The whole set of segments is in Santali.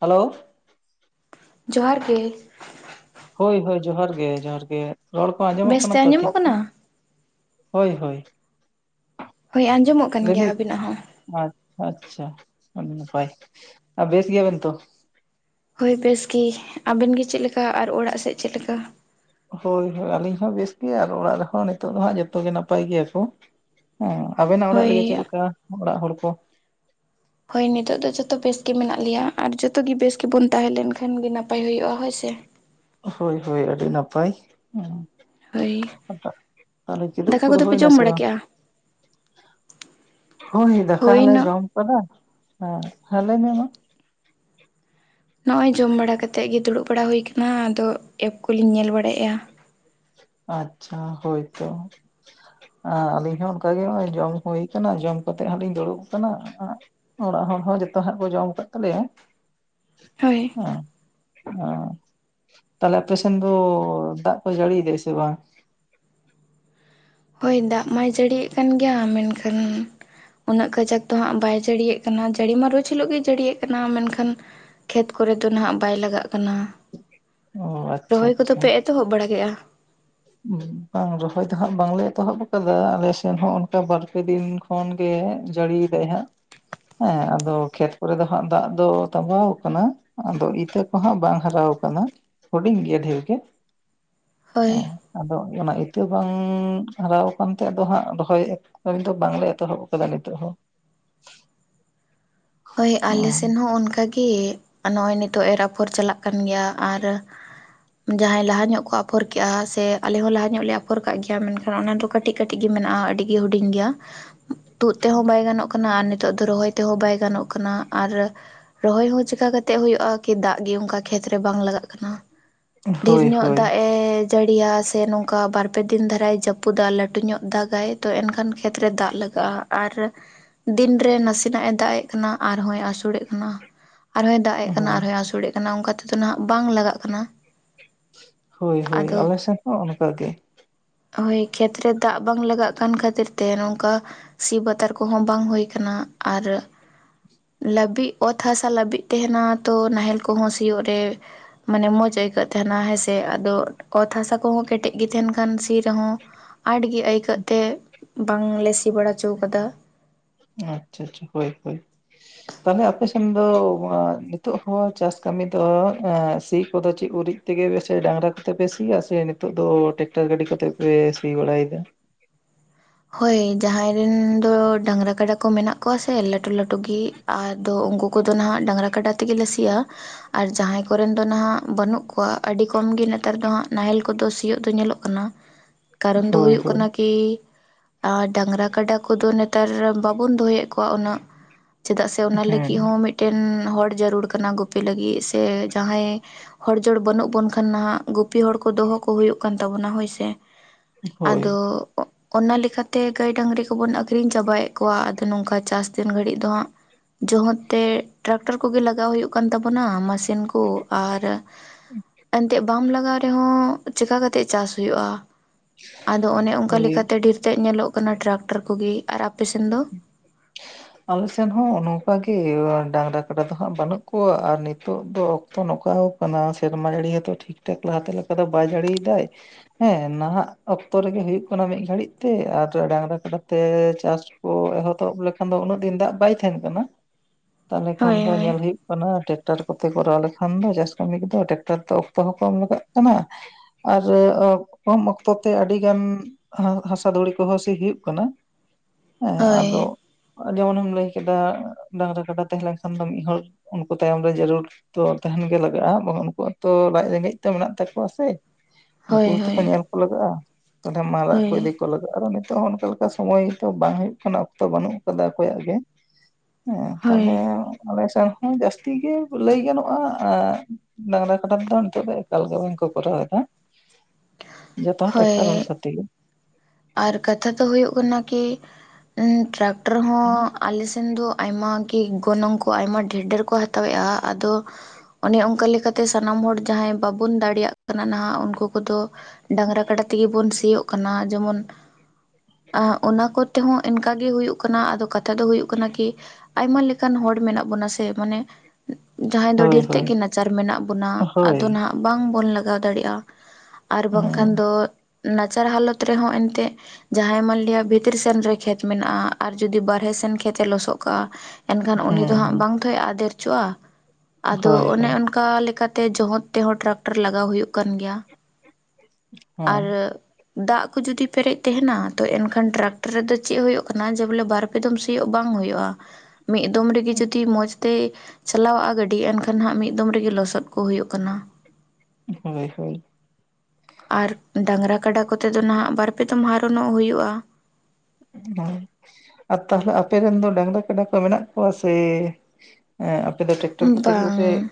ᱦᱮᱞᱳ ᱡᱚᱦᱟᱨ ᱜᱮ ᱦᱳᱭ ᱦᱳᱭ ᱡᱚᱦᱟᱨ ᱜᱮᱮ ᱡᱚᱦᱟᱨ ᱜᱮᱮ ᱨᱚᱲ ᱠᱚ ᱟᱸᱡᱚᱢᱚᱜ ᱵᱮᱥᱛᱮ ᱠᱟᱱᱟ ᱛᱚ ᱴᱷᱤᱠ ᱟᱸᱡᱚᱢᱚᱜ ᱜᱮ ᱠᱟᱱᱟ ᱦᱳᱭ ᱦᱳᱭ ᱦᱳᱭ ᱟᱸᱡᱚᱢᱚᱜ ᱠᱟᱱ ᱜᱮᱭᱟ ᱞᱟᱹᱭᱫᱟᱹᱧ ᱟᱵᱤᱱᱟᱜ ᱦᱚᱸ ᱟᱪᱪᱷᱟ ᱟᱪᱪᱷᱟ ᱟᱹᱰᱤ ᱱᱟᱯᱟᱭ ᱟᱨ ᱵᱮᱥ ᱜᱮᱭᱟᱵᱤᱱ ᱛᱚ ᱦᱳᱭ ᱵᱮᱥ ᱜᱮ ᱟᱵᱮᱱ ᱜᱮ ᱪᱮᱫ ᱞᱮᱠᱟ ᱟᱨ ᱚᱲᱟᱜ ᱥᱮᱫ ᱪᱮᱫ ᱞᱮᱠᱟ ᱦᱳᱭ ᱦᱳᱭ ᱟᱹᱞᱤᱧ ᱦᱚᱸ ᱵᱮᱥ ᱜᱮᱮ ᱟᱨ ᱚᱲᱟᱜ ᱨᱮᱦᱚᱸ ᱱᱤᱛᱚᱜ ᱫᱚ ᱦᱟᱸᱜ ᱡᱚᱛᱚ ᱜᱮ ᱱᱟᱯᱟᱭ ᱜᱮᱭᱟ ᱠᱚ ᱦᱮᱸ ᱟᱵᱮᱱᱟᱜ ᱚᱲᱟᱜ ᱦᱳᱭ ᱨᱮᱜᱮ ᱪᱮᱫ ᱞᱮᱠᱟ ᱚᱲᱟᱜ ᱦᱚᱲ ᱠᱚ ᱦᱳᱭ ᱱᱤᱛᱚᱜᱜ ᱫᱚ ᱡᱚᱛᱚ ᱵᱮᱥ ᱜᱮ ᱢᱮᱱᱟᱜ ᱞᱮᱭᱟ ᱟᱨ ᱡᱚᱛᱚ ᱜᱮ ᱵᱮᱥ ᱜᱮᱵᱚᱱ ᱛᱟᱦᱮᱸ ᱞᱮᱱ ᱠᱷᱟᱱ ᱜᱮ ᱱᱟᱯᱟᱭ ᱦᱩᱭᱩᱜᱼᱟ ᱦᱳᱭ ᱥᱮ ᱦᱳᱭ ᱦᱳᱭ ᱟᱹᱰᱤ ᱱᱟᱯᱟᱭ ᱦᱳᱭ ᱛᱟᱦᱞᱮ ᱪᱮᱫᱩᱵ ᱫᱟᱠᱟ ᱠᱚᱫᱚ ᱯᱮ ᱦᱩᱭ ᱱᱟ ᱡᱚᱢ ᱥᱮ ᱵᱟᱲᱟ ᱵᱟᱝ ᱠᱮᱜᱼᱟ [inaudible] ᱦᱳᱭ ᱫᱟᱠᱟ ᱦᱚᱸᱞᱮ ᱡᱚᱢ ᱠᱟᱫᱟ ᱦᱮᱸ ᱦ ᱞᱟᱹᱭ ᱢᱮ ᱢᱟ ᱱᱚᱜᱼ ᱚᱚᱭ ᱡᱚᱢ ᱵᱟᱲᱟ ᱠᱟᱛᱮᱫ ᱜᱮ ᱫᱩᱲᱩᱵ ᱵᱟᱲᱟ ᱦᱩᱭ ᱟᱠᱟᱱᱟ ᱟᱫᱚ ᱮᱯ ᱠᱚᱞᱤᱧ ᱧᱮᱞ ᱵᱟᱲᱟᱭᱮᱫᱼᱟ ᱟᱪᱪᱷᱟ ᱦᱳᱭᱛᱚ ᱟᱸ ᱟᱹᱞᱤᱧ ᱦᱚᱸ ᱚᱱᱠᱟ ᱜᱮ ᱱᱚᱜ-ᱚᱭ ᱡᱚᱢ ᱦᱚᱭ ᱠᱟᱱᱟ, ᱡᱚᱢ ᱠᱟᱛᱮᱜ ᱦᱟᱸᱜ ᱞᱤᱧ ᱫᱩᱲᱩᱵ ᱠᱟᱱᱟ, ᱦᱟᱸᱜᱼᱼ ᱚᱲᱟᱜ ᱦᱚᱲ ᱦᱚᱸ ᱡᱚᱛᱚ ᱦᱟᱸᱜ ᱠᱚ ᱡᱚᱢ ᱠᱟᱜ ᱛᱟᱞᱮᱭᱟ᱾ ᱦᱳᱭ [unintelligible] ᱛᱟᱦᱞᱮ ᱟᱯᱮᱥᱱ ᱫᱚ ᱫᱟᱜ ᱠᱚ ᱡᱟᱹᱲᱤᱭ ᱫᱟᱭ ᱥᱮ ᱵᱟᱝ ᱦᱳᱭ ᱫᱟᱜ ᱢᱟᱭ ᱡᱟᱹᱲᱤᱭᱮᱫ ᱠᱟᱱ ᱜᱮᱭᱟ ᱢᱮᱱᱠᱷᱟᱱ ᱩᱱᱟᱹᱜ ᱠᱟᱡᱟᱠ ᱫᱚ ᱦᱟᱸᱜ ᱵᱟᱭ ᱡᱟᱹᱲᱤᱭᱮᱜ ᱠᱟᱱᱟ ᱡᱟᱹᱲᱤ ᱢᱟ ᱨᱳᱡᱽ ᱦᱤᱞᱳᱜ ᱜᱮ ᱡᱟᱹᱲᱤᱭᱮᱜ ᱠᱟᱱᱟ ᱢᱮᱱᱠᱷᱟᱱ ᱠᱷᱮᱛ ᱠᱚᱨᱮ ᱫᱚ ᱱᱟᱦᱟᱜ ᱵᱟᱭ ᱞᱟᱜᱟᱜ ᱠᱟᱱᱟ ᱚ ᱟᱪᱪᱷᱟ ᱨᱚᱦᱚᱭ ᱠᱚᱫᱚ ᱟᱪᱪᱷᱟ ᱯᱮ ᱮᱛᱚᱦᱚᱵ ᱵᱟᱲᱟ ᱠᱮᱫᱟ ᱵᱟᱝ ᱨᱚᱦᱚᱭ ᱫᱚ ᱦᱜ ᱵᱟᱝᱞᱮ ᱮᱛᱚᱦᱚᱵ ᱟᱠᱟᱫᱟ ᱟᱞᱮᱥᱮᱱ ᱦᱚᱸ ᱚᱱᱠᱟ ᱵᱟᱨ ᱯᱮ ᱫᱤᱱ ᱯᱷᱳᱱ ᱜᱮ ᱡᱟᱹᱲᱤᱭᱮᱫᱟᱭ ᱦᱟᱸᱜ ᱦᱮᱸ ᱟᱫᱚ ᱠᱷᱮᱛ ᱠᱚᱨᱮ ᱫᱚ ᱦᱜ ᱫᱟᱜ ᱫᱚ ᱛᱟᱸᱵᱟᱣ ᱟᱠᱟᱱᱟ ᱟᱫᱚ ᱤᱛᱟᱹ ᱠᱚᱦᱜ ᱵᱟᱝ ᱦᱟᱨᱟ ᱠᱟᱱᱟ ᱦᱩᱰᱤᱧ ᱜᱮᱭᱟ ᱰᱷᱮᱨ ᱜᱮ ᱦᱳᱭ ᱦᱮᱸ ᱟᱫᱚ ᱚᱱᱟ ᱤᱛᱟᱹ ᱵᱟᱝ ᱦᱟᱨᱟ ᱟᱠᱟᱱ ᱛᱮ ᱟᱫᱚ ᱦᱟᱸᱜ ᱨᱚᱦᱚᱭᱼᱼ ᱠᱟᱹᱢᱤ ᱫᱚ ᱵᱟᱝ ᱞᱮ ᱮᱛᱚᱦᱚᱵ ᱟᱠᱟᱫᱟ ᱱᱤᱛᱚᱜ ᱦᱚᱸ᱾ ᱦᱳᱭ ᱟᱞᱮ ᱥᱮᱱ ᱦᱚᱸ ᱚᱱᱠᱟ ᱜᱤ ᱱᱚᱜ-ᱚᱭ ᱱᱤᱛᱚᱜ ᱮᱨ ᱟᱯᱷᱚᱨ ᱪᱟᱞᱟᱜ ᱠᱟᱱ ᱜᱮᱭᱟ, ᱟᱨᱼᱼ ᱡᱟᱦᱟᱸ ᱞᱟᱦᱟ ᱧᱚᱜ ᱠᱚ ᱟᱯᱷᱚᱨ ᱠᱮᱜ-ᱟ, ᱥᱮ ᱟᱞᱮ ᱦᱚᱸ ᱞᱟᱦᱟ ᱧᱚᱜ ᱞᱮ ᱟᱯᱷᱚᱨ ᱠᱟᱜ ᱜᱮᱭᱟ ᱢᱮᱱ ᱠᱷᱟᱱ ᱚᱱᱟ ᱫᱚᱼᱼ ᱠᱟᱹᱴᱤᱡ ᱠᱟᱹᱴᱤᱡ ᱜᱮ ᱢᱮᱱᱟᱜ-ᱟ ᱟᱹᱰᱤ ᱜᱮ ᱦᱩᱰᱤᱧ ᱜᱮᱭᱟ᱾ [inaudible] ᱛᱩᱫ ᱛᱮᱦᱚᱸ ᱵᱟᱭ ᱜᱟᱱᱚᱜ ᱠᱟᱱᱟ ᱟᱨ ᱱᱤᱛᱚᱜ ᱫᱚ ᱨᱚᱦᱚᱭ ᱛᱮᱦᱚᱸ ᱵᱟᱭ ᱜᱟᱱᱚᱜ ᱠᱟᱱᱟ ᱟᱨᱼᱼ ᱨᱚᱦᱚᱭ ᱦᱚᱸ ᱪᱮᱠᱟ ᱠᱟᱛᱮᱜ ᱦᱚᱭᱚᱜ-ᱟ ᱠᱤ ᱫᱟᱜ ᱜᱮ ᱚᱱᱠᱟ ᱠᱷᱮᱛ ᱨᱮ ᱵᱟᱝ ᱞᱟᱜᱟᱜ ᱠᱟᱱᱟ᱾ ᱰᱷᱤᱨ ᱦᱳᱭ ᱧᱚᱜ ᱦᱳᱭ ᱫᱟᱜ ᱮᱼᱼ ᱡᱟᱹᱲᱤ ᱭᱟ ᱥᱮ ᱱᱚᱝᱠᱟ ᱵᱟᱨ ᱯᱮ ᱫᱤᱱ ᱫᱷᱟᱨᱟᱭ ᱡᱟᱹᱯᱩᱫᱟ ᱞᱟᱹᱴᱩ ᱧᱚᱜ ᱫᱟᱜᱟᱭ ᱛᱚ ᱮᱱᱠᱷᱟᱱ ᱠᱷᱮᱛ ᱨᱮ ᱫᱟᱜ ᱞᱟᱜᱟᱜ-ᱟ᱾ ᱟᱨ ᱫᱤᱱᱨᱮ ᱱᱟᱥᱮ ᱱᱟᱜ ᱮ ᱫᱟᱜ ᱮᱛᱼᱼ ᱠᱟᱱᱟ ᱟᱨ ᱦᱚᱸᱭ ᱟᱥᱩᱲᱮᱜ ᱠᱟᱱᱟ ᱟᱨ ᱦᱚᱸᱭ ᱫᱟᱜ ᱮᱜ ᱠᱟᱱᱟ ᱦᱳᱭ ᱟᱨ ᱦᱚᱸᱭ ᱟᱥᱤᱲᱮᱜ ᱼᱼ ᱠᱟᱱᱟ ᱚᱱᱠᱟ ᱛᱮᱫᱚ ᱱᱟᱦᱟᱸᱜ ᱵᱟᱝ ᱞᱟᱜᱟᱜ ᱠᱟᱱᱟ᱾ ᱦᱳᱭ ᱦᱳᱭ ᱟᱞᱮ ᱥᱮᱱ ᱦᱚᱸ ᱚᱱᱠᱟ ᱜᱮ᱾ ᱦᱚᱭ ᱠᱷᱮᱛ ᱨᱮ ᱫᱟᱜ ᱵᱟᱝ ᱞᱟᱜᱟᱜ ᱠᱟᱱ ᱠᱷᱟᱛᱤᱨ ᱛᱮ ᱱᱚᱝᱠᱟᱼᱼ ᱥᱤ ᱵᱟᱛᱟᱨ ᱠᱚᱦᱚᱸ ᱵᱟᱝ ᱦᱚᱭ ᱠᱟᱱᱟ ᱟᱨᱼᱼ ᱞᱟᱹᱵᱤᱜ ᱚᱛ ᱦᱟᱥᱟ ᱞᱟᱵᱤᱫ ᱛᱟᱦᱮᱸᱱᱟ ᱛᱚ ᱱᱟᱦᱮᱞ ᱠᱚᱦᱚᱸ ᱥᱤᱭᱳᱜ ᱨᱮᱼᱼ ᱢᱟᱱᱮ ᱢᱚᱸᱪ ᱟᱹᱭᱠᱟᱹᱜ ᱛᱮᱦᱮᱱᱟ ᱦᱮᱸ ᱥᱮ? ᱟᱫᱚ ᱚᱛ ᱦᱟᱥᱟ ᱠᱚᱦᱚᱸ ᱠᱮᱴᱮᱡ ᱜᱤ ᱛᱟᱸᱦᱮᱱ ᱠᱷᱟᱱ ᱥᱤ ᱨᱮᱦᱚᱸᱼᱼ ᱟᱸᱴ ᱜᱮ ᱟᱹᱭᱠᱟᱹᱜ ᱛᱮ ᱵᱟᱝ ᱞᱮ ᱥᱤ ᱵᱟᱲᱟ ᱪᱚ ᱠᱟᱫᱟ᱾ ᱟᱪᱪᱷᱟ-ᱟᱪᱷᱟ, ᱦᱳᱭ-ᱦᱳᱭ᱾᱾ ᱛᱟᱞᱦᱮ ᱟᱯᱮ ᱥᱮᱱ ᱫᱚ ᱟᱸ ᱱᱤᱛᱚᱜ ᱦᱚᱸ ᱪᱟᱥ ᱠᱟᱢᱤ ᱫᱚ ᱮᱸ ᱥᱤ ᱠᱚᱫᱚ ᱪᱤᱜ ᱩᱨᱤᱡᱼᱼ ᱛᱮᱜᱮ ᱥᱮ ᱰᱟᱝᱜᱽᱨᱟ ᱠᱚᱛᱮ ᱯᱮ ᱥᱤᱭᱟ ᱥᱮ ᱱᱤᱛᱚᱜ ᱫᱚ ᱴᱮᱠᱴᱟᱨ ᱜᱟᱹᱰᱤ ᱠᱚᱛᱮ ᱯᱮ ᱥᱤ ᱵᱟᱲᱟᱭ ᱫᱟ? ᱦᱳᱭ ᱡᱟᱦᱟᱸᱭ ᱨᱮᱱ ᱫᱚ ᱰᱟᱝᱜᱽᱨᱟ ᱠᱟᱰᱟ ᱠᱚ ᱢᱮᱱᱟᱜ ᱠᱚᱣᱟ ᱥᱮ, ᱞᱟᱹᱴᱩ ᱞᱟᱹᱴᱩ ᱜᱤᱼᱼ ᱟᱫᱚ ᱩᱱᱠᱩ ᱠᱚᱫᱚ ᱱᱟᱦᱟᱸᱜ ᱰᱟᱝᱜᱽᱨᱟ ᱠᱟᱰᱟ ᱛᱮᱜᱮ ᱞᱮ‌ ᱥᱤᱭᱟ᱾ ᱟᱨ ᱡᱟᱦᱟᱸᱭ ᱠᱚᱨ ᱮᱱ ᱫᱚ ᱱᱟᱦᱟᱸᱜ ᱵᱟᱹᱱᱩᱜ ᱠᱚᱣᱟᱼᱼ ᱟᱹᱰᱤ ᱠᱚᱢ ᱜᱮ ᱱᱮᱛᱟᱨ ᱫᱚ ᱦᱟᱸᱜ ᱱᱟᱦᱮᱞ ᱠᱚᱫᱚ ᱥᱤᱭᱟᱜ ᱫᱚ ᱧᱮᱞᱚᱜ ᱠᱟᱱᱟ ᱠᱟᱨᱚᱱ ᱫᱚ ᱦᱳᱭ ᱦᱩᱭᱩᱜ ᱦᱳᱭ ᱠᱟᱱᱟᱼᱼ ᱠᱤᱻ ᱟᱨ ᱰᱟᱝᱨᱟ ᱠᱟᱰᱟ ᱠᱩᱫᱚ ᱱᱮᱛᱟᱨ ᱵᱟᱵᱩᱱ ᱫᱚᱦᱚᱭᱮᱜ ᱠᱚᱣᱟ ᱩᱱᱟᱹᱜ᱾ ᱪᱮᱫᱟᱜ ᱥᱮ ᱚᱱᱟ ᱦᱮᱸ ᱞᱟᱹᱜᱤᱫ ᱦᱚᱸ ᱢᱤᱫᱴᱮᱱ ᱦᱚᱲ ᱡᱟᱹᱨᱩᱲ ᱠᱟᱱᱟ ᱜᱩᱯᱤ ᱞᱟᱹᱜᱤᱫ ᱥᱮ ᱡᱟᱦᱟᱸᱭᱼᱼ ᱦᱚᱲ ᱡᱚᱲ ᱵᱟᱹᱱᱩᱜ ᱵᱚᱱ ᱠᱷᱟᱱ ᱱᱟᱦᱟᱸᱜ ᱜᱩᱯᱤ ᱦᱚᱲ ᱠᱚ ᱫᱚᱦᱚ ᱠᱚ ᱦᱩᱭᱩᱜ ᱠᱟᱱ ᱛᱟᱵᱚᱱᱟ ᱦᱳᱭ ᱥᱮ᱾ ᱦᱳᱭ ᱟᱫᱚ ᱚᱜ ᱚᱱᱟ ᱞᱤᱠᱼᱼ ᱠᱟᱛᱮ ᱜᱟᱹᱭ ᱰᱟᱹᱝᱨᱤ ᱠᱚᱵᱚᱱ ᱟᱹᱠᱷᱨᱤᱧ ᱪᱟᱵᱟᱭᱮᱜ ᱠᱚᱣᱟ, ᱟᱫᱚ ᱱᱚᱝᱠᱟ ᱪᱟᱥ ᱫᱤᱱ ᱜᱷᱟᱹᱲᱤᱡ ᱫᱚ ᱦᱟᱸᱜᱼᱼ ᱡᱚᱦᱚᱸᱛ ᱛᱮ ᱴᱨᱟᱠᱴᱚᱨ ᱠᱚᱜᱮ ᱞᱟᱜᱟᱣ ᱦᱩᱭᱩᱜ ᱠᱟᱱ ᱛᱟᱵᱚᱱᱟ, ᱢᱟᱥᱼᱼ ᱮᱱ ᱠᱩ ᱟᱨ ᱮᱱᱛᱮᱜᱼᱼ ᱵᱟᱢ ᱞᱟᱜᱟᱣ ᱨᱮᱦᱚᱸ ᱪᱮᱠᱟ ᱠᱟᱛᱮ ᱪᱟᱥ ᱦᱩᱭᱩᱜ-ᱟ, ᱟᱫᱚ ᱚᱱᱮ ᱚᱱᱠᱟ ᱦᱳᱭ ᱞᱮᱠᱟ ᱛᱮ ᱰᱷᱤᱨᱼᱼ ᱛᱮᱜ ᱧᱮᱞᱚᱜ ᱠᱟᱱᱟ ᱴᱨᱟᱠᱴᱟᱨ ᱠᱩᱜᱤ, ᱟᱨ ᱟᱯᱮ ᱥᱮᱱ ᱫᱚ? ᱟᱞᱮ ᱥᱮᱱ ᱦᱚᱸ ᱱᱚᱝᱠᱟ ᱜᱮ ᱰᱟᱝᱜᱽᱨᱟ ᱠᱟᱰᱟ ᱫᱚᱦᱟᱸᱜ ᱵᱟᱱᱩᱜ ᱠᱚᱣᱟ, ᱟᱨ ᱱᱤᱛᱚᱜ ᱫᱚᱼᱼ ᱛᱚ ᱱᱚᱝᱠᱟᱣ ᱠᱟᱱᱟ ᱥᱮᱨᱢᱟ ᱡᱟᱲᱤ ᱦᱚᱸ ᱛᱚ ᱴᱷᱤᱠ ᱴᱷᱟᱠ ᱞᱟᱦᱟ ᱛᱮ ᱞᱮᱠᱟ ᱫᱚ ᱵᱟᱭ ᱡᱟᱲᱤᱭ ᱫᱟᱭ᱾ ᱦᱮᱸ ᱱᱟᱦᱟᱜ ᱚᱠᱛᱚ ᱨᱮᱜᱮ ᱦᱩᱭᱩᱜ ᱠᱟᱱᱟ ᱢᱤᱫ ᱜᱷᱟᱹᱲᱤᱡ ᱛᱮ ᱟᱨ ᱰᱟᱝᱨᱟ ᱠᱟᱰᱟ ᱛᱮ ᱪᱟᱥ ᱠᱚ ᱮᱦᱚᱵ ᱯᱚᱛᱚᱵ ᱞᱮᱠᱷᱟᱱ ᱫᱚ ᱩᱱᱟᱹᱜ ᱫᱤᱱ ᱫᱟᱜ ᱵᱟᱭ ᱛᱟᱦᱮᱱ ᱠᱟᱱᱟ ᱾ᱛᱟᱦᱚᱞᱮ ᱠᱷᱟᱱ ᱫᱚ ᱦᱳᱭ ᱧᱮᱞ ᱦᱩᱭᱩᱜ ᱚᱱᱟ ᱴᱨᱮᱠᱴᱟᱨ ᱠᱚᱛᱮ ᱠᱚᱨᱟᱣ ᱞᱮᱠᱷᱟᱱ ᱫᱚ ᱪᱟᱥ ᱠᱟᱹᱢᱤ ᱠᱚᱫᱚ ᱴᱨᱮᱠᱴᱟᱨ ᱫᱚ ᱚᱠᱛᱚ ᱦᱚᱸ ᱠᱚᱢ ᱞᱟᱜᱟᱜ ᱠᱟᱱᱟ᱾ ᱟᱨ ᱚ ᱠᱚᱢ ᱚᱠᱛᱚ ᱛᱮ ᱟᱰᱤ ᱜᱟᱱᱼᱼ ᱦᱟ, ᱦᱟᱥᱟ ᱫᱷᱩᱲᱤ ᱠᱚᱦᱚᱸ ᱥᱮ ᱦᱩᱭᱩᱜ ᱠᱟᱱᱟ, ᱦᱮᱸ ᱦᱳᱭ ᱟᱫᱚᱼᱼ ᱟᱸ ᱡᱮᱢᱚᱱᱮᱢ ᱞᱟᱹᱭ ᱠᱮᱫᱟ ᱰᱟᱝᱨᱟ ᱠᱟᱰᱟ ᱛᱮᱦᱮᱸ ᱞᱮᱱ ᱠᱷᱟᱱ ᱫᱚ ᱢᱤᱫ ᱦᱚᱲ ᱩᱱᱠᱩ ᱛᱟᱭᱚᱢ ᱨᱮ ᱡᱟᱹᱨᱩᱲᱼᱼ ᱛᱚ ᱛᱟᱦᱮᱱ ᱜᱮ ᱞᱟᱜᱟᱜ-ᱟ, ᱵᱟᱝ ᱩᱱᱠᱩ ᱣᱟᱜ ᱛᱚ ᱞᱟᱡ ᱨᱮᱸᱜᱮᱡ ᱛᱚ ᱢᱮᱱᱟᱜ ᱛᱟᱠᱚᱣᱟ ᱥᱮ? ᱩᱱᱠᱩ ᱦᱳᱭ ᱛᱚᱠᱚ ᱦᱳᱭ ᱧᱮᱞ ᱠᱚ ᱞᱟᱜᱟᱜ-ᱟ, ᱛᱟᱦᱚᱞᱮ ᱢᱟᱨᱟᱜ ᱦᱳᱭ ᱠᱚ ᱦᱳᱭ ᱤᱫᱤ ᱠᱚ ᱞᱟᱜᱟᱜ-ᱟ, ᱟᱨ ᱱᱤᱛᱚᱜ ᱦᱚᱸ ᱚᱱᱠᱟ ᱞᱮᱠᱼᱼ ᱚᱱᱠᱟ ᱥᱚᱢᱚᱭ ᱛᱚ ᱵᱟᱝ ᱦᱩᱭᱩᱜ ᱠᱟᱱᱟ ᱚᱠᱛᱚ ᱵᱟᱱᱩᱜ ᱠᱟᱫᱟ ᱚᱠᱚᱭᱟᱜ ᱜᱮ ᱦᱮᱸ ᱦᱳᱭ ᱛᱟᱞᱦᱮᱼᱼ ᱟᱞᱮ ᱥᱮᱱ ᱦᱚᱸ ᱡᱟᱥᱛᱤ ᱜᱮ ᱞᱟᱹᱭ ᱜᱟᱱᱚᱜ-ᱟ ᱟᱸᱜᱼᱼ ᱰᱟᱝᱨᱟ ᱠᱟᱰᱟ ᱛᱮᱫᱚ ᱱᱤᱛᱚᱜ ᱫᱚ ᱮᱠᱟᱞ ᱜᱮ ᱵᱟᱝ ᱠᱚ ᱠᱚᱨᱟᱣᱮᱫᱟ᱾ ᱡᱚᱷᱛᱚ ᱦᱚᱲ ᱴᱮᱠᱴᱟᱨ ᱦᱳᱭ ᱵᱷᱚᱨᱥᱟ ᱛᱮ ᱜᱮ᱾ ᱟᱨ ᱠᱟᱛᱷᱟ ᱫᱚ ᱦᱩᱭᱩᱜ ᱠᱟᱱᱟ ᱠᱤ, ᱩᱸ ᱴᱨᱟᱠᱴᱚᱨ ᱦᱚᱸ ᱟᱞᱮ ᱥᱮᱱ ᱫᱚᱼᱼ ᱟᱭᱢᱟᱜ ᱜᱮ ᱜᱚᱱᱚᱝ ᱠᱚ ᱟᱭᱢᱟ ᱰᱷᱮᱨ ᱰᱷᱮᱨ ᱠᱚ ᱦᱟᱛᱟᱣᱮᱫᱼᱟ, ᱟᱫᱚ ᱚᱱᱮ ᱚᱝᱠᱟ ᱞᱮᱠᱟᱛᱮ ᱥᱟᱱᱟᱢ ᱦᱚᱲ ᱡᱟᱦᱟᱸᱭ ᱵᱟᱵᱚᱱ ᱫᱟᱲᱮᱭᱟᱜ ᱠᱟᱱᱟ ᱱᱟᱦᱟᱜ ᱩᱱᱠᱩ ᱠᱚᱫᱚ᱾ ᱰᱟᱝᱨᱟ ᱠᱟᱰᱟ ᱛᱮᱜᱮ ᱵᱚᱱ ᱥᱤᱭᱳᱜ ᱠᱟᱱᱟ, ᱡᱮᱢᱚᱱ ᱟᱹᱜ ᱚᱱᱟ ᱠᱚᱛᱮ ᱦᱚᱸ ᱚᱱᱠᱟ ᱜᱮ ᱦᱩᱭᱩᱜ ᱠᱟᱱᱟ ᱟᱫᱚ ᱠᱟᱛᱷᱟ ᱫᱚ ᱦᱩᱭᱩᱜ ᱠᱟᱱᱟ ᱠᱤ ᱟᱭᱢᱟ ᱞᱮᱠᱟᱱ ᱦᱚᱲ ᱢᱮᱱᱟᱜ ᱵᱚᱱᱟ ᱥᱮ ᱢᱟᱱᱮ ᱡᱟᱦᱟᱸᱭ ᱫᱚ ᱦᱳᱭ ᱰᱷᱮᱨ ᱛᱮᱜ ᱦᱳᱭ ᱜᱮ ᱱᱟᱪᱟᱨ ᱢᱮᱱᱟᱜ ᱵᱚᱱᱟ᱾ ᱦᱳᱭ ᱟᱫᱚ ᱱᱟᱦᱟᱜ ᱵᱟᱝ ᱵᱚᱱ ᱞᱟᱜᱟᱣ ᱫᱟᱲᱮᱭᱟᱜᱼᱟ ᱟᱨ ᱵᱟᱝᱠᱷᱟᱱ ᱦᱩᱸ ᱫᱚ ᱱᱟᱪᱟᱨ ᱦᱟᱞᱚᱛ ᱨᱮᱦᱚᱸ ᱛᱮ ᱡᱟᱦᱟᱸᱭ ᱢᱟᱱᱞᱤᱭᱟ ᱵᱷᱤᱛᱤᱨ ᱥᱮᱱ ᱨᱮ ᱠᱷᱮᱛ ᱢᱮᱱᱟᱜᱼᱟ᱿ ᱟᱨ ᱡᱩᱫᱤ ᱵᱟᱦᱨᱮ ᱥᱮᱱ ᱠᱷᱮᱛᱮ ᱞᱚᱥᱚᱜ ᱠᱟᱜᱼᱟ᱾ ᱮᱱᱠᱷᱟᱱ ᱩᱱᱤ ᱦᱩᱸ ᱫᱚ ᱦᱟᱸᱜ ᱦᱩᱸ ᱵᱟᱝ ᱛᱚ ᱟᱫᱮᱨᱪᱚᱜᱼᱟ᱾ ᱟᱫᱚ ᱦᱳᱭ ᱚᱱᱮ ᱦᱳᱭ ᱚᱱ ᱚᱱᱠᱟ ᱞᱮᱠᱟᱛᱮ ᱡᱚᱦᱚᱫ ᱛᱮᱦᱚᱸ ᱴᱨᱟᱠᱴᱟᱨ ᱞᱟᱜᱟᱣ ᱦᱩᱭᱩᱜ ᱠᱟᱱ ᱜᱮᱭᱟ᱾ ᱦᱮᱸ ᱟᱨ ᱫᱟᱜ ᱠᱚ ᱡᱩᱫᱤ ᱯᱮᱨᱮᱡ ᱛᱮᱦᱮᱱᱟ, ᱛᱚ ᱮᱱᱠᱷᱟᱱ ᱴᱨᱟᱠᱴᱟᱨ ᱨᱮᱫᱚ ᱪᱮᱫ ᱦᱩᱭᱩᱜ ᱠᱟᱱᱟ ᱡᱟᱵ ᱵᱚᱞᱮ ᱵᱟᱨ ᱫᱚᱢ ᱥᱤᱭᱳᱜ ᱵᱟᱝ ᱦᱩᱭᱩᱜᱼᱟ᱾ [inaudible] ᱢᱤᱫ ᱫᱚᱢ ᱨᱮᱜᱮ ᱡᱩᱫᱤ ᱢᱚᱡᱽ ᱛᱮᱭ ᱪᱟᱞᱟᱜᱼᱟ ᱜᱟᱹᱰᱤ ᱮᱱᱠᱷᱟᱱ ᱦᱟᱸᱜ ᱢᱤᱫ ᱫᱚᱢ ᱨᱮᱜᱮ ᱞᱚᱥᱚᱫ ᱠᱚ ᱦᱩᱭᱩᱜ ᱠᱟᱱᱟ᱾ ᱦᱳᱭ ᱦᱳᱭ ᱟᱨ ᱰᱟᱝᱨᱟ ᱠᱟᱰᱟ ᱠᱚᱛᱮ ᱫᱚ ᱱᱟᱦᱟᱜ ᱵᱟᱨ ᱯᱮ ᱫᱚᱢ ᱦᱟᱭᱨᱚᱱᱚᱜ ᱦᱩᱭᱩᱜᱼᱟ᱾ ᱟᱨ ᱛᱟᱦᱞᱮ ᱟᱯᱮ ᱨᱮᱱ ᱫᱚ ᱰᱟᱝᱨᱟ ᱠᱟᱰᱟ ᱠᱚ ᱢᱮᱱᱟᱜ ᱠᱚᱣᱟ ᱥᱮ ᱮᱸ ᱟᱯᱮ ᱫᱚ ᱴᱷᱮ ᱵᱟᱝ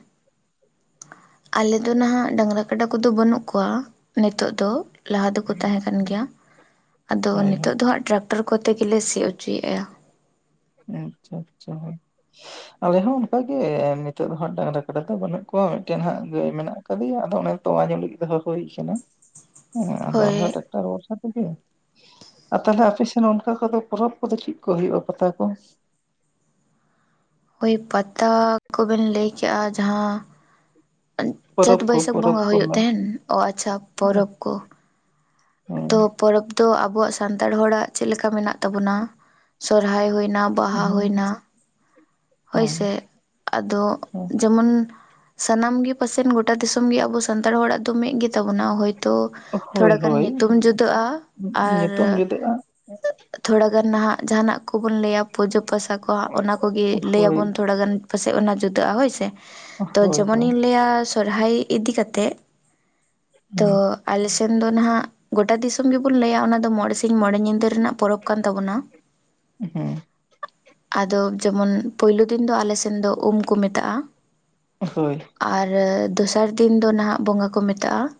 ᱟᱞᱮ ᱫᱚ ᱱᱟᱦᱟᱜ ᱰᱟᱝᱨᱟ ᱠᱟᱰᱟ ᱠᱚᱫᱚ ᱵᱟᱹᱱᱩᱜ ᱠᱚᱣᱟ᱾ ᱱᱤᱛᱳᱜ ᱫᱚ, ᱞᱟᱦᱟ ᱫᱚᱠᱚ ᱛᱟᱦᱮᱸ ᱠᱟᱱ ᱜᱮᱭᱟ᱾ ᱟᱫᱚ ᱦᱳᱭ ᱦᱳᱭ ᱱᱤᱛᱚᱜ ᱫᱚ ᱦᱟᱸᱜ ᱴᱨᱟᱠᱴᱟᱨ ᱠᱚᱛᱮ ᱜᱮᱞᱮ ᱥᱤ ᱚᱪᱚᱭᱮᱜᱼᱟ᱾ ᱟᱪᱷᱟ ᱟᱪᱷᱟ ᱦᱚᱭ ᱟᱞᱮ ᱦᱚᱸ ᱚᱱᱠᱟᱜ ᱜᱮ ᱱᱤᱛᱳᱜ ᱫᱚ ᱦᱟᱸᱜ ᱰᱟᱝᱨᱟ ᱠᱟᱰᱟ ᱫᱚ ᱵᱟᱹᱱᱩᱜ ᱠᱚᱣᱟ, ᱢᱤᱫᱴᱮᱱ ᱦᱟᱸᱜ ᱜᱟᱹᱭ ᱢᱮᱱᱟᱜ ᱠᱟᱫᱮᱭᱟ ᱟᱫᱚ ᱚᱱᱮ ᱛᱳᱣᱟ ᱧᱩ ᱞᱟᱹᱜᱤᱫ ᱫᱚᱦᱚ ᱦᱩᱭ ᱠᱟᱱᱟᱹ ᱟᱫᱚ ᱦᱳᱭ ᱟᱞᱮᱦᱚᱸ ᱴᱨᱟᱠᱴᱟᱨ ᱵᱷᱚᱨᱥᱟ ᱟᱨ ᱛᱟᱦᱚᱞᱮ ᱟᱯᱮᱥᱮᱱ ᱚᱱᱠᱟ ᱠᱚᱫᱚ ᱯᱚᱨᱚᱵᱽ ᱠᱚᱫᱚ ᱪᱮᱫ ᱠᱚ ᱦᱩᱭᱩᱜᱼᱟ ᱯᱟᱛᱟ ᱠᱚ? ᱳᱭ ᱯᱟᱛᱟ ᱠᱚᱵᱮᱱ ᱞᱟᱹᱭ ᱠᱮᱜᱼᱟ ᱡᱟᱦᱟᱸ ᱪᱟᱹᱛ ᱯᱚᱨᱚᱵᱽ ᱠᱚ ᱵᱟᱹᱭᱥᱟᱹᱠᱷ ᱯᱚᱨᱚᱵᱽ ᱵᱚᱸᱜᱟ ᱠᱚ ᱦᱩᱭᱩᱜ ᱢᱮᱱ ᱛᱟᱦᱮᱱ, ᱚᱹ ᱟᱪᱷᱟ ᱯᱚᱨᱚᱵᱽ ᱠᱚ ᱛᱚ ᱯᱚᱨᱚᱵᱽ ᱫᱚ ᱟᱵᱚᱣᱟᱜ ᱥᱟᱱᱛᱟᱲ ᱦᱚᱲᱟᱜ ᱪᱮᱫ ᱞᱮᱠᱟ ᱢᱮᱱᱟᱜ ᱛᱟᱵᱚᱱᱟ᱾ ᱥᱚᱨᱦᱟᱭ ᱦᱩᱭ ᱦᱮᱸ ᱦᱳᱭ ᱥᱮ, ᱟᱫᱚ ᱡᱮᱢᱚᱱ ᱥᱟᱱᱟᱢ ᱜᱮ ᱯᱟᱥᱮᱱ ᱜᱚᱴᱟ ᱫᱤᱥᱚᱢ ᱜᱮ ᱟᱵᱚ ᱥᱟᱱᱛᱟᱲ ᱦᱚᱲᱟᱜ ᱫᱚ ᱢᱤᱫ ᱜᱮᱛᱟᱵᱚᱱᱟ᱾ ᱦᱳᱭ ᱛᱚ ᱦᱳᱭ ᱛᱷᱚᱲᱟᱜᱟᱱ ᱦᱳᱭ ᱧᱤᱛᱩᱢ ᱡᱩᱫᱟᱹᱜᱼᱟ᱾ ᱟᱨ ᱧᱩᱛᱩᱢ ᱡᱩᱫᱟᱹᱜᱼᱟ ᱛᱷᱚᱲᱟ ᱜᱟᱱ ᱱᱟᱦᱟᱜ ᱡᱟᱦᱟᱱᱟᱜ ᱠᱚᱵᱚᱱ ᱞᱟᱹᱭᱟ ᱯᱩᱡᱟᱹ ᱯᱟᱥᱟ ᱠᱚ ᱚᱱᱟ ᱠᱚᱜᱮ ᱞᱟᱹᱭ ᱦᱳᱭ ᱟᱵᱚᱱ ᱛᱷᱚᱲᱟ ᱜᱟᱱ ᱯᱟᱥᱮᱡ ᱚᱱᱟ ᱡᱩᱫᱟᱹᱜᱼᱟ ᱦᱳᱭᱥᱮ᱾ ᱦᱳᱭ ᱛᱚ ᱦᱳᱭ ᱡᱮᱢᱚᱱᱤᱧ ᱞᱟᱹᱭᱟ ᱥᱚᱨᱦᱚᱨᱟᱭ ᱤᱫᱤ ᱠᱟᱛᱮ ᱛᱚ ᱦᱩᱸ ᱟᱞᱮᱥᱮᱱ ᱫᱚ ᱱᱟᱦᱟᱜ ᱜᱚᱴᱟ ᱫᱤᱥᱚᱢ ᱜᱮᱵᱩᱱ ᱞᱟᱹᱭᱟ ᱚᱱᱟ ᱫᱚ ᱢᱚᱬᱮ ᱥᱤᱧ ᱢᱚᱬᱮ ᱧᱤᱫᱟᱹ ᱨᱮᱱᱟᱜ ᱯᱚᱨᱚᱵᱽ ᱠᱟᱱ ᱛᱟᱵᱚᱱᱟ ᱦᱮᱸ ᱟᱫᱚ ᱡᱮᱢᱚᱱ ᱯᱳᱭᱞᱳ ᱫᱤᱱ ᱫᱚ ᱟᱞᱮ ᱥᱮᱱ ᱫᱚ ᱩᱢ ᱠᱚ ᱢᱮᱛᱟᱜᱼᱟ᱾ ᱦᱳᱭ ᱟᱨ ᱫᱚᱥᱟᱨ ᱫᱤᱱ ᱫᱚ ᱱᱟᱦᱟᱜ ᱵᱚᱸᱜᱟ ᱠᱚ ᱢᱮᱛᱟᱜᱼᱟ᱾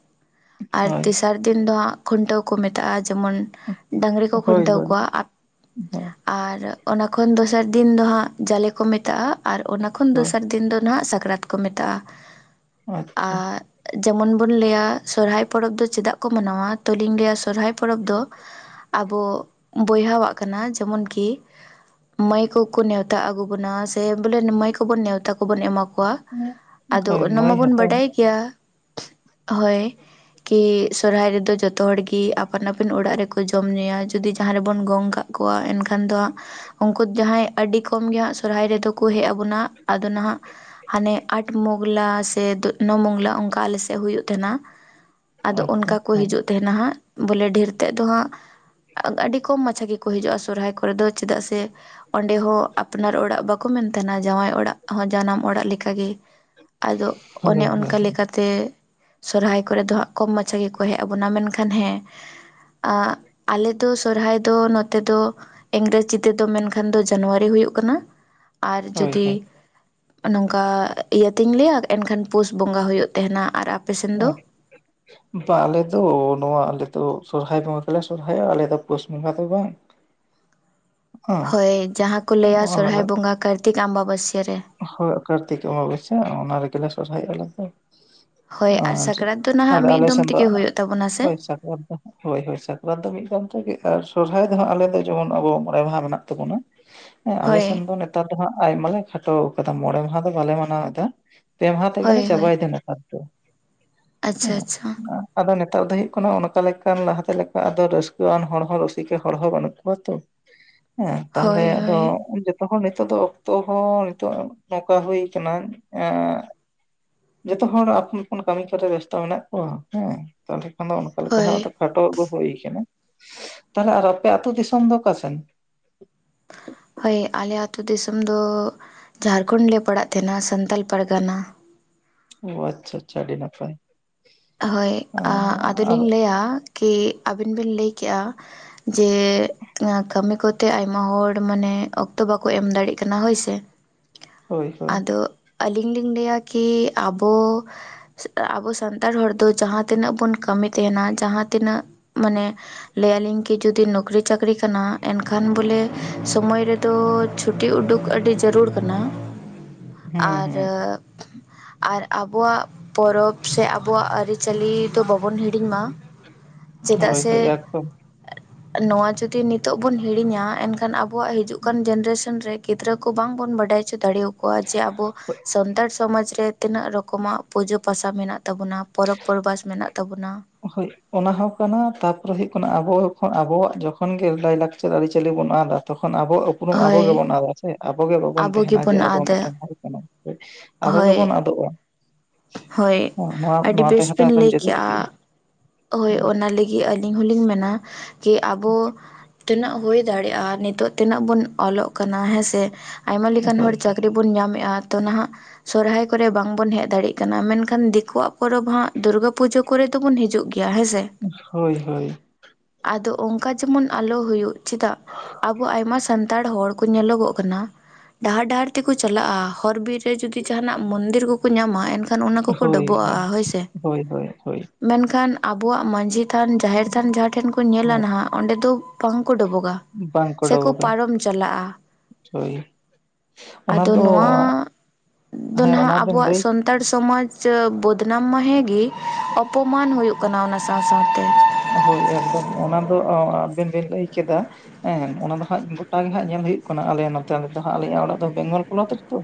ᱟᱨ ᱦᱳᱭ ᱛᱮᱥᱟᱨ ᱫᱤᱱ ᱫᱚ ᱦᱟᱸᱜ ᱠᱷᱩᱱᱴᱟᱹᱣ ᱠᱚ ᱢᱮᱛᱟᱜᱼᱟ ᱡᱮᱢᱚᱱ ᱰᱟᱝᱨᱤ ᱠᱚ ᱦᱳᱭ ᱠᱷᱩᱱᱴᱟᱹᱣ ᱦᱳᱭ ᱠᱚᱣᱟ᱾ ᱦᱳᱭ ᱟᱨ ᱚᱱᱟ ᱠᱷᱚᱱ ᱫᱚ ᱥᱟᱨ ᱫᱤᱱ ᱫᱚ ᱦᱟᱸᱜ ᱡᱟᱞᱮ ᱠᱚ ᱢᱮᱛᱟᱜᱼᱟ᱾ ᱟᱨ ᱚᱱᱟ ᱠᱷᱚᱱ ᱫᱚ ᱦᱳᱭ ᱥᱟᱨ ᱫᱤᱱ ᱫᱚ ᱱᱟᱦᱟᱜ ᱥᱟᱠᱨᱟᱛ ᱠᱚ ᱢᱮᱛᱟᱜᱼᱟ᱾ ᱟᱪᱪᱷᱟ ᱟᱨ ᱡᱮᱢᱚᱱ ᱵᱚᱱ ᱞᱟᱹᱭᱟ ᱥᱚᱨᱦᱟᱭ ᱯᱚᱨᱚᱵᱽ ᱫᱚ ᱪᱮᱫᱟᱜ ᱠᱚ ᱢᱟᱱᱟᱣᱟ ᱛᱳᱞᱤᱧ ᱞᱟᱹᱭᱟ ᱥᱚᱨᱦᱟᱭ ᱯᱚᱨᱚᱵᱽ ᱫᱚ ᱟᱵᱚ ᱵᱚᱭᱦᱟᱣᱟᱜ ᱠᱟᱱᱟ ᱡᱮᱢᱚᱱᱠᱤ᱾ ᱢᱟᱹᱭ ᱠᱚᱠᱚ ᱱᱮᱛᱟ ᱛᱟᱜ ᱟᱜᱩ ᱵᱚᱱᱟ ᱥᱮ ᱵᱚᱞᱮ ᱢᱟᱹᱭ ᱠᱚᱵᱚᱱ ᱱᱮᱣᱛᱟ ᱠᱚᱵᱚᱱ ᱮᱢᱟ ᱠᱚᱣ ᱠᱚᱣᱟ, ᱟᱫᱚ ᱦᱳᱭ ᱚᱱᱟ ᱢᱟᱹᱭ ᱢᱟᱵᱚᱱ ᱦᱟᱛᱟᱣ ᱵᱟᱰᱟᱭ ᱜᱮᱭᱟ᱾ ᱦᱳᱭ ᱠᱤ ᱥᱚᱦᱚᱨᱟᱭ ᱨᱮᱫᱚ ᱡᱚᱛᱚ ᱦᱚᱲ ᱜᱤ ᱟᱯᱟᱱ ᱟᱹᱯᱤᱱ ᱚᱲᱟᱜ ᱨᱮᱠᱚ ᱡᱚᱢ ᱧᱩᱭᱟ ᱡᱩᱫᱤ ᱡᱟᱦᱟᱸ ᱨᱮᱵᱚᱱ ᱜᱚᱝ ᱠᱟᱜ-ᱟ ᱮᱱᱠᱷᱟᱱ ᱫᱚ ᱦᱟᱸᱜ ᱩᱱᱠᱩ ᱡᱟᱦᱟᱸᱭ ᱟᱹᱰᱤ ᱠᱚᱢ ᱜᱮ ᱦᱟᱸᱜ ᱥᱚᱦᱚᱨᱟᱭ ᱨᱮᱫᱚ ᱠᱚ ᱦᱮᱡ ᱟᱵᱚᱱᱟ ᱟᱫᱚ ᱱᱟᱦᱟᱜ ᱦᱟᱱᱮ ᱟᱴ ᱢᱜᱞᱟ ᱥᱮ ᱱᱚ ᱢᱚᱜᱞᱟ ᱚᱱᱠᱟ ᱟᱞᱮ ᱥᱮᱫ ᱦᱩᱭᱩᱜ ᱛᱟᱦᱮᱱᱟ ᱟᱫᱚ ᱟᱪᱪᱷᱟ ᱚᱱᱠᱟ ᱠᱚ ᱦᱳᱭ ᱦᱤᱡᱩᱜ ᱛᱟᱦᱮᱱᱟ ᱦᱟᱸᱜ ᱵᱚᱞᱮ ᱰᱷᱮᱨ ᱛᱮᱫ ᱫᱚ ᱦᱟᱸᱜ ᱟᱹᱰᱤ ᱠᱚᱢ ᱢᱟᱪᱷᱟ ᱜᱮᱠᱚ ᱦᱤᱡᱩᱜ-ᱟ ᱥᱚᱨᱦᱟᱭ ᱠᱚᱨᱮ ᱫᱚ ᱪᱮᱫᱟᱜ ᱥᱮ ᱚᱸᱰᱮ ᱦᱚᱸ ᱟᱯᱱᱟᱨ ᱚᱲᱟᱜ ᱵᱟᱠᱚ ᱢᱮᱱ ᱛᱟᱦᱮᱱᱟ ᱡᱟᱶᱟᱭ ᱚᱲᱟᱜ ᱦᱚᱸ ᱡᱟᱱᱟᱢ ᱚᱲᱟᱜ ᱞᱮᱠᱟᱜᱮ ᱟᱫᱚ ᱚᱱᱮ ᱦᱳᱭ ᱦᱳᱭ ᱚᱱᱠᱟ ᱞᱮᱠᱟᱛᱮ ᱛᱮ ᱥᱚᱨᱦᱟᱭ ᱠᱚᱨᱮ ᱫᱚ ᱦᱟᱸᱜ ᱠᱚᱢ ᱢᱟᱪᱷᱟ ᱜᱮᱠᱚ ᱦᱮᱡ ᱟᱵᱚᱱᱟ ᱢᱮᱱᱠᱷᱟᱱ ᱦᱮᱸ ᱟᱸ ᱟᱞᱮᱫ ᱫᱚ ᱥᱚᱨᱦᱟᱭ ᱫᱚ ᱱᱚᱛᱮ ᱫᱚ ᱤᱝᱨᱮᱡᱤ ᱛᱮᱫᱚ ᱢᱮᱱᱠᱷᱟᱱ ᱫᱚ ᱡᱟᱱᱩᱣᱟᱨᱤ ᱦᱩᱭᱩᱜ ᱠᱟᱱᱟ ᱟᱨ ᱦᱳᱭ ᱡᱩᱫᱤ ᱦᱳᱭ ᱱᱚᱝᱠᱟ ᱤᱭᱟᱹᱛᱤᱧ ᱞᱟᱹᱭᱟ ᱮᱱᱠᱷᱟᱱ ᱯᱩᱥ ᱵᱚᱸᱜᱟ ᱦᱩᱭᱩᱜ ᱛᱟᱦᱮᱱᱟ ᱟᱨ ᱟᱯᱮ ᱦ ᱥᱮᱱ ᱫᱚ [unintelligible] ᱵᱟᱝ ᱟᱞᱮᱚ ᱱᱚᱣᱟ ᱟᱞᱮᱚ ᱥᱚᱨᱦᱟᱭ ᱵᱚᱸᱜᱟ ᱜᱮᱞᱮ ᱥᱚᱨᱚᱦᱟᱭᱚᱜ ᱟᱞᱮ ᱫᱚ ᱯᱩᱥ ᱵᱚᱸᱜᱟ ᱫᱚ ᱵᱟᱝ [inaudible] ᱦᱮᱸ ᱦᱳᱭ ᱡᱟᱦᱟᱸ ᱠᱚ ᱞᱟᱹᱭᱟ ᱚᱱᱟ ᱥᱚᱨᱦᱟᱭ ᱫᱚ ᱵᱚᱸᱜᱟ ᱠᱟᱨᱛᱤᱠ ᱟᱢᱵᱟᱵᱟᱹᱥᱭᱟᱹ ᱨᱮ ᱦᱳᱭ ᱠᱟᱨᱛᱤᱠ ᱟᱵᱟᱵᱟᱥᱤᱭᱟ ᱚᱱᱟ ᱨᱮᱜᱮ ᱞᱮ ᱥᱚᱨᱚᱦᱟᱭᱚᱜ-ᱟ ᱟᱞᱮᱞ ᱫᱚ ᱦᱳᱭ ᱟᱨ ᱚᱪᱷᱟ ᱥᱟᱠᱨᱟᱛ ᱫᱚ ᱱᱟᱦᱟᱜ ᱟᱞᱮ ᱢᱤᱫ ᱫᱚᱢ ᱟᱞᱮᱥᱮᱫ ᱫᱚ ᱛᱮᱜᱮ ᱦᱩᱭᱩᱜ ᱛᱟᱵᱚᱱᱟ ᱥᱮ ᱦᱭ ᱦᱳᱭ ᱦᱳᱭ ᱥᱟᱠᱨᱟᱛ ᱫᱚ ᱢᱤᱫ ᱜᱟᱨ ᱛᱮᱜᱮ ᱟᱨ ᱥᱚᱨᱦᱟᱭ ᱫᱚᱦᱸᱟᱜ ᱟᱞᱮ ᱫᱚ ᱡᱮᱢᱚᱱ ᱟᱵᱚ ᱢᱚᱬᱮ ᱢᱟᱦᱟ ᱢᱮᱱᱟᱜ ᱛᱟᱵᱚᱱᱟ ᱦᱮᱸ ᱟᱞᱮ ᱦᱳᱭ ᱥᱮᱱ ᱫᱚ ᱱᱮᱛᱟᱨ ᱫᱚ ᱦᱟᱸᱜ ᱟᱭᱢᱟ ᱞᱮ ᱠᱷᱟᱴᱚ ᱠᱟᱫᱟ ᱢᱚᱬᱮ ᱢᱟᱦᱟ ᱫᱚ ᱵᱟᱞᱮ ᱢᱟᱱᱟᱣ ᱮᱫᱟ ᱯᱮ ᱢᱟᱦᱟ ᱛᱮᱜᱮᱞᱮ ᱦᱳᱭ ᱪᱟᱵᱟᱭ ᱮᱫᱟ ᱱᱚᱛᱮᱫᱚ ᱫᱚ ᱦᱮᱸ ᱟᱪᱷᱟ ᱟᱪᱷᱟ ᱟᱫᱚ ᱱᱮᱛᱟᱨ ᱫᱚ ᱦᱳᱭᱳᱜ ᱠᱟᱱᱟ ᱚᱱᱠᱟ ᱟᱫ ᱞᱮᱠᱟᱱ ᱞᱟᱦᱟᱛᱮ ᱞᱮᱠᱟ ᱟᱫᱚ ᱨᱟᱥᱠᱟᱹ ᱟᱱ ᱦᱚᱲ ᱦᱚᱸᱚᱸ ᱨᱩᱥᱤᱠ ᱦᱚᱲ ᱦᱚᱸᱚᱸ ᱵᱟᱹᱱᱩᱜ ᱠᱚᱣᱟ ᱛᱚ ᱦᱮᱸ ᱛᱟᱦᱞᱮ ᱦᱳᱭ ᱟᱫᱚ ᱦᱳᱭ ᱡᱚᱛᱚ ᱦᱚᱲ ᱱᱤᱛᱳᱜ ᱫᱚ ᱚᱠᱛᱚ ᱦᱚᱸ ᱱᱤᱛᱚᱜ ᱱᱚᱝᱠᱟ ᱦᱩᱭᱩ ᱟᱠᱟᱱᱟ ᱮ ᱡᱚᱛᱚ ᱦᱚᱲ ᱟᱯᱚᱱ ᱟᱯᱚᱱ ᱠᱟᱹᱢᱤ ᱠᱚᱨᱮ ᱵᱮᱥᱛᱚ ᱢᱮᱱᱟᱜ ᱠᱚᱣᱟ ᱦᱮᱸ ᱛᱟᱦᱚᱞᱮ ᱠᱷᱟᱱ ᱫᱚ ᱚᱱᱠᱟ ᱞᱮᱠᱟ ᱦ ᱦᱳᱭ ᱠᱷᱟᱴᱚ ᱟᱜᱩ ᱦᱩᱭᱠᱱᱟᱹ ᱛᱟᱦᱮᱞᱮ ᱟᱨ ᱟᱯᱮ ᱟᱛᱳ ᱫᱤᱥᱚᱢ ᱫᱚ ᱚᱠᱟ ᱥᱮᱱ? ᱦᱳᱭ ᱟᱞᱮ ᱟᱛᱳ ᱫᱤᱥᱚᱢ ᱫᱚ ᱡᱷᱟᱨᱠᱷᱚᱸᱰ ᱞᱮ ᱯᱟᱲᱟᱜ ᱛᱟᱦᱮᱱᱟ ᱥᱟᱱᱛᱟᱞ ᱯᱟᱨᱜᱟᱱᱟ ᱚ ᱟᱪᱷᱟ ᱟᱪᱷᱟ ᱟᱹᱰᱤ ᱱᱟᱯᱟᱭ ᱦᱳᱭ ᱟᱨ ᱟᱫᱚᱞᱤᱧ ᱞᱟᱹᱭᱟ ᱠᱤ ᱟᱹᱵᱤᱱ ᱵᱮᱤᱱ ᱞᱟᱹᱭ ᱠᱮᱜ-ᱟ ᱡᱮ ᱠᱟᱹᱢᱤ ᱠᱚᱛᱮ ᱟᱭᱢᱟ ᱦᱚᱲ ᱢᱟᱱᱮ ᱚᱠᱛᱚ ᱵᱟᱠᱚ ᱮᱢ ᱫᱟᱲᱮᱜ ᱠᱟᱱᱟ ᱦᱳᱭᱥᱮ ᱦᱳᱭ ᱦᱳᱭ ᱟᱫᱚ ᱟᱞᱤᱧ ᱞᱤᱧ ᱞᱟᱹᱭᱟ ᱠᱤ ᱟᱵᱚ ᱟᱵᱚ ᱥᱟᱱ ᱱᱮᱛᱟᱲ ᱦᱚᱲ ᱫᱚ ᱡᱟᱦᱟᱸ ᱛᱤᱱᱟᱹᱜ ᱵᱚᱱ ᱠᱟᱹᱢᱤ ᱛᱟᱦᱮᱱᱟ ᱡᱟᱦᱟᱸ ᱛᱤᱱᱟᱹᱜ ᱢᱟᱱᱮ ᱞᱟᱹᱭ ᱟᱹᱞᱤᱧ ᱠᱤ ᱡᱩᱫᱤ ᱱᱚᱠᱨᱤ-ᱪᱟᱹᱠᱨᱤ ᱠᱟᱱᱟ ᱮᱱᱠᱷᱟᱱ ᱵᱚᱞᱮ ᱥᱚᱢᱚᱭ ᱨᱮ ᱛᱚ ᱪᱷᱩᱴᱤ ᱩᱰᱩᱠ ᱟᱹᱰᱤ ᱡᱟᱹᱨᱩᱲ ᱠᱟᱱᱟ [inaudible] ᱟᱨ ᱦᱩᱸ ᱟᱨ ᱟᱵᱚᱣᱟᱜ ᱯᱚᱨᱚᱵᱽ ᱥᱮ ᱟᱚ ᱟᱵᱚᱣᱟᱜ ᱟᱹᱨᱤᱪᱟᱹᱞᱤ ᱫᱚ ᱵᱟᱵᱚᱱ ᱦᱤᱲᱤᱧ ᱢᱟ ᱪᱮᱫᱟᱜ ᱥᱮ ᱦᱮ [inaudible] ᱱᱚᱣᱟ ᱡᱩᱫᱤ ᱱᱤᱛᱚᱜ ᱵᱚᱱ ᱦᱤᱲᱤᱧᱟ ᱮᱱᱠᱷᱟᱱ ᱟᱵᱚᱣᱟᱜ ᱦᱤᱡᱩᱜ ᱠᱟᱱ ᱡᱮᱱᱟᱨᱮᱥᱚᱱ ᱨᱮ ᱜᱤᱫᱽᱨᱟᱹ ᱵᱟᱝᱵᱚᱱ ᱵᱟᱰᱟᱭ ᱦᱚᱚ ᱫᱟᱲᱮ ᱟᱠᱚᱣᱟ ᱡᱮ ᱟᱵᱚ ᱥᱟᱱᱛᱟᱲ ᱥᱚᱢᱟᱡᱽ ᱨᱮ ᱛᱤᱱᱟᱹᱜ ᱨᱚᱠᱚᱢᱟᱜ ᱯᱩᱡᱟᱹ ᱯᱟᱥᱟ ᱢᱮᱱᱟᱜ ᱛᱟᱵᱚᱱᱟᱹ ᱛᱟᱵᱚᱱᱟ ᱯᱚᱨᱚᱵᱽ ᱯᱚᱨᱵᱷᱟᱥ ᱢᱮᱱᱟᱜ ᱛᱟᱵᱚᱱᱟ ᱦᱳᱭ ᱚᱱᱟ ᱦᱚᱸ ᱠᱟᱱᱟ ᱛᱟᱯᱚᱨᱮ ᱦᱳᱭᱜ ᱠᱟᱱᱟ ᱟᱵᱚᱱ ᱟᱵᱚᱣᱟᱜ ᱡᱚᱠᱷᱚᱱ ᱜᱤ ᱞᱟᱭᱞᱟᱠᱪᱟᱨ ᱟᱹᱨᱤᱪᱟᱹᱞᱤ ᱵᱚᱱ ᱟᱫᱟ ᱛᱚᱠᱷᱚᱱ ᱟᱵᱚᱣᱟᱜ ᱩᱯᱨᱩᱢ ᱟᱵᱚ ᱦᱳᱭ ᱜᱮᱵᱚᱱ ᱟᱫ-ᱟ ᱥᱮ ᱟᱵᱚᱜ ᱜᱮ ᱵᱟᱵᱚᱱ ᱟᱵᱚ ᱛᱟᱦᱮᱱᱟ ᱡᱮ ᱜᱮᱵᱚᱱ ᱟᱵᱚ ᱟᱫᱟ ᱢᱤᱫᱴᱮᱱ ᱦᱚᱲ ᱠᱟᱱᱟ ᱟᱵᱚ ᱦᱳᱭ ᱜᱮᱵᱚᱱ ᱟᱫᱚᱜᱟ-ᱟ ᱦᱳᱭ ᱟᱹᱰᱤ ᱱᱚᱣᱟ ᱵᱮᱥ ᱛᱟᱦᱮᱸ ᱫᱚ ᱵᱤᱱ ᱮᱠᱫᱚᱢ ᱞᱟᱹᱭ ᱡᱟᱹᱨᱩᱲ ᱠᱮᱜᱼᱟ ᱜᱮᱭᱟ ᱦᱳᱭ ᱚᱱᱟ ᱞᱟᱹᱜᱤᱫ ᱟᱹᱞᱤᱧ ᱦᱚᱸᱞᱤᱧ ᱢᱮᱱᱟ ᱡᱮ ᱟᱵᱚ ᱛᱤᱱᱟᱹᱜ ᱦᱩᱭ ᱫᱟᱲᱮᱜᱼᱟ ᱱᱤᱛᱚᱜ ᱛᱤᱱᱟᱹᱜ ᱵᱚᱱ ᱚᱞᱚᱜ ᱠᱟᱱᱟ ᱦᱮᱸᱥᱮ ᱟᱭᱢᱟ ᱞᱮᱠᱟᱱ ᱦᱚᱲ ᱪᱟᱠ ᱪᱟᱹᱠᱨᱤ ᱵᱚᱱ ᱧᱟᱢᱮᱜᱼᱟ ᱛᱚ ᱱᱟᱦᱟᱜ ᱥᱚᱨᱦᱟᱭ ᱠᱚᱨᱮ ᱵᱟᱝ ᱵᱚᱱ ᱦᱮᱡ ᱫᱟᱲᱮᱜ ᱠᱟᱱᱟ ᱢᱮᱱᱠᱷᱟᱱ ᱫᱤᱠᱩᱣᱟᱜ ᱯᱚᱨᱚᱵᱽ ᱦᱟᱸᱜ ᱫᱩᱨᱜᱟᱹ ᱯᱩᱡᱟᱹ ᱠᱚᱨᱮ ᱫᱚᱵᱚᱱ ᱦᱤᱡᱩᱜ ᱜᱮᱭᱟ ᱜᱮᱭᱟ ᱦᱮᱸ ᱥᱮ ᱦᱳᱭ ᱦᱳᱭ ᱟᱫᱚ ᱚᱝᱠᱟ ᱡᱮᱢᱚᱱ ᱟᱞᱚ ᱦᱩᱭᱩᱜ ᱪᱮᱫᱟᱜ ᱟᱵᱚ ᱟᱭᱢᱟ ᱥᱟᱱᱛᱟᱲ ᱦᱚᱲ ᱠᱚ ᱧᱮᱞᱚᱜᱚᱜ ᱠᱟᱱᱟ ᱰᱟᱦᱟᱨ ᱰᱟᱦᱟᱨ ᱛᱮᱠᱚ ᱪᱟᱞᱟᱜᱼᱟ ᱦᱚᱨ ᱵᱤᱨ ᱨᱮ ᱡᱩᱫᱤ ᱡᱟᱸᱦᱟᱱᱼᱟᱜ ᱢᱚᱱᱫᱤᱨ ᱠᱚᱠᱚ ᱧᱟᱢᱟ ᱮᱱᱠᱷᱟᱱ ᱠᱷᱟᱱ ᱚᱱᱟ ᱠᱚᱠᱚ ᱦᱳᱭ ᱰᱚᱵᱚᱜ ᱟᱜᱼᱟ ᱦᱳᱭ ᱥᱮ ᱦᱳᱭ ᱦᱳᱭ ᱦᱳᱭ ᱢᱮᱱᱠᱷᱟᱱ ᱟᱵᱚᱣᱟᱜ ᱢᱟᱹᱡᱷᱤ ᱛᱷᱟᱱ ᱡᱟᱦᱮᱨ ᱛᱷᱟᱱ ᱡᱟᱦᱟᱸ ᱴᱷᱮᱱ ᱠᱚ ᱧᱮᱞᱟ ᱱᱟᱦᱟᱜ ᱚᱸᱰᱮ ᱫᱚ ᱵᱟᱝ ᱠᱚ ᱰᱚᱵᱚᱜᱟ ᱵᱟᱝᱠᱚ ᱥᱮᱠᱚ ᱰᱚᱵᱚᱜᱟ ᱯᱟᱨᱚᱢ ᱪᱟᱞᱟᱜᱼᱟ ᱦᱳᱭ ᱚᱱᱟ ᱟᱫᱚ ᱫᱚ ᱱᱚᱣᱟ ᱫᱚ ᱦᱮᱸ ᱚᱱᱟ ᱱᱟᱦᱜ ᱵᱮᱱ ᱟᱵᱚᱣᱟᱜ ᱞᱟᱹᱭ ᱥᱚᱱ ᱥᱟᱱᱛᱟᱲ ᱥᱚᱢᱟᱡᱽ ᱵᱚᱫᱱᱟᱢ ᱢᱟ ᱦᱮᱸ ᱜᱮ ᱚᱯᱚᱢᱟᱱ ᱦᱩᱭᱩᱜ ᱠᱟᱱᱟ ᱚᱱᱟ ᱥᱟᱶ ᱥᱟᱶ ᱛᱮ ᱦᱳᱭ ᱮᱠᱫᱚᱢ ᱚᱱᱟ ᱫᱚ ᱟᱵᱤᱱ ᱵᱤᱱ ᱞᱟᱹᱭ ᱠᱮᱫᱟ ᱦᱮᱸ ᱚᱱᱟ ᱫᱚ ᱦᱟᱸᱜ ᱜᱚᱴᱟ ᱜᱮ ᱦᱟᱸᱜ ᱧᱮᱞ ᱦᱩᱭᱩᱜ ᱠᱟᱱᱟ ᱟᱞᱮ ᱱᱚᱛᱮ ᱨᱮᱫᱚ ᱦᱟᱸᱜ ᱟᱞᱤᱧᱟᱜ ᱚᱲᱟᱜ ᱫᱚ ᱵᱮᱝᱜᱚᱞ ᱯᱚᱱᱚᱛ ᱨᱮᱛᱚ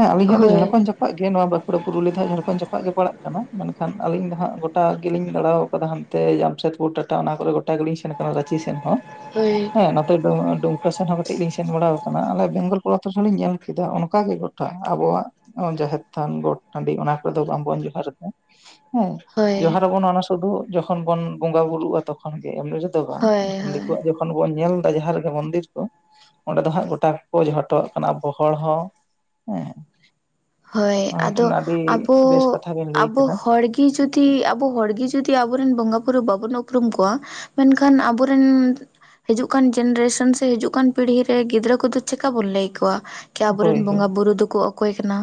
ᱦᱮᱸ ᱟᱞᱤᱧᱟᱜ ᱦᱳᱭ ᱡᱷᱟᱲᱠᱚᱱ ᱡᱟᱯᱟᱜ ᱜᱮ ᱱᱚᱣᱟ ᱵᱟᱸᱠᱩᱲᱟ ᱯᱩᱨᱩᱞᱤᱭᱟᱹ ᱫᱚ ᱦᱟᱸᱜ ᱡᱷᱟᱲᱠᱚᱱ ᱡᱚᱯᱟᱜ ᱜᱮ ᱯᱟᱲᱟᱜ ᱠᱟᱱᱟ ᱢᱮᱱᱠᱷᱟᱱ ᱟᱞᱤᱧ ᱫᱚ ᱦᱟᱸᱜ ᱜᱚᱴᱟ ᱜᱮᱞᱤᱧ ᱫᱟᱸᱲᱟᱣ ᱠᱟᱫᱟ ᱦᱟᱱᱛᱮ ᱡᱟᱢᱥᱮᱫᱯᱩᱨ ᱴᱟᱴᱟ ᱚᱱᱟ ᱠᱚᱨᱮ ᱜᱚᱴᱟ ᱜᱮᱞᱤᱧ ᱥᱮᱱ ᱟᱠᱟᱱᱟ ᱨᱟᱸᱪᱤ ᱥᱮᱱ ᱦᱚᱸ ᱦᱳᱭ ᱦᱮᱸ ᱱᱚᱛᱮ ᱫᱩ ᱰᱩᱢᱠᱟ ᱥᱮᱱ ᱦᱚᱸ ᱠᱟᱹᱴᱤᱡ ᱞᱤᱧ ᱥᱮᱱ ᱵᱟᱲᱟ ᱟᱠᱟᱱᱟ ᱟᱞᱮ ᱵᱮᱝᱜᱚᱞ ᱯᱚᱱᱚᱛ ᱨᱮᱦᱚᱸ ᱞᱤᱧ ᱧᱮᱞ ᱠᱮᱫᱟ ᱚᱱᱠᱟ ᱜᱮ ᱟᱵᱚᱣᱟᱜ ᱡᱟᱦᱮᱨ ᱛᱷᱟᱱ ᱜᱚᱴ ᱴᱟᱸᱰᱤ ᱚᱱᱟ ᱠᱚᱨᱮ ᱫᱚ ᱵᱟᱝ ᱵᱚᱱ ᱡᱚᱦᱟᱨ ᱮᱫᱟ ᱦᱮᱸ ᱦᱳᱭ ᱡᱚᱦᱟᱨ ᱟᱵᱚᱱ ᱚᱱᱟ ᱥᱩᱫᱩ ᱡᱚᱠᱷᱚᱱ ᱵᱚᱱ ᱵᱚᱸᱜᱟ ᱵᱩᱨᱩᱜᱼᱟ ᱛᱚᱠᱷᱚᱱ ᱜᱮ, ᱮᱢᱱᱤ ᱨᱮᱫᱚ ᱫᱚ ᱵᱟᱝ ᱦᱳᱭ [unintelligible] ᱦᱳᱭ ᱫᱤᱠᱩᱣᱟᱜ ᱜᱮ ᱡᱚᱠᱷᱚᱱ ᱵᱚᱱ ᱧᱮᱞᱫᱟ ᱡᱟᱦᱟᱸ ᱨᱮᱜᱮ ᱢᱚᱱᱫᱤᱨ ᱠᱚ ᱚᱸᱰᱮ ᱫᱚ ᱦᱟᱸᱜ ᱜᱚᱴᱟ ᱜᱮᱠᱚ ᱡᱚᱦᱟᱨ ᱡᱚᱴᱚ ᱠᱟᱜ ᱠᱟᱱᱟ ᱟᱵᱚ ᱦᱚᱲ ᱦᱚᱸ ᱦᱮᱸ ᱦᱳᱭ ᱚᱱᱟ ᱟᱫᱚ ᱢᱤᱫᱴᱮᱱ ᱟᱹᱰᱤ ᱟᱵᱚ ᱵᱮᱥ ᱠᱟᱛᱷᱟ ᱵᱮᱱ ᱞᱟᱹᱭ ᱟᱵᱚ ᱠᱮᱫᱟ ᱦᱚᱲ ᱜᱮ ᱡᱩᱫᱤ ᱟᱵᱚ ᱦᱚᱲ ᱜᱤ ᱡᱩᱫᱤ ᱟᱵᱚ ᱨᱮᱱ ᱵᱚᱸᱜᱟ ᱵᱩᱨᱩ ᱵᱟᱵᱚᱱ ᱩᱯᱨᱩᱢ ᱠᱚᱣᱟ ᱢᱮᱱᱠᱷᱟᱱ ᱟᱵᱚᱨ ᱨᱮᱱ ᱦᱤᱡᱩᱜ ᱠᱟᱱ ᱡᱮᱱᱨᱮᱥᱚᱱ ᱥᱮ ᱦᱤᱡᱩᱜ ᱠᱟᱱ ᱯᱤᱲᱦᱤ ᱨᱮ ᱜᱤᱫᱽᱨᱟᱹ ᱠᱚᱫᱚ ᱪᱮᱠᱟ ᱵᱚᱱ ᱞᱟᱹᱭ ᱟᱠᱚᱣᱟ ᱠᱤ ᱟᱵᱚ ᱨᱮᱱ ᱦᱳᱭ ᱦᱳᱭ ᱵᱚᱸᱜᱟ ᱵᱩᱨᱩ ᱫᱚᱠᱚ ᱚᱠᱚᱭ ᱠᱟᱱᱟ